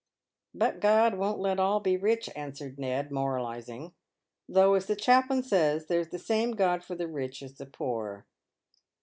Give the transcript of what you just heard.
" But God won't let all be rich," answered Ned, moralising. " Though, as the chaplain says, there's the same God for the rich as the poor."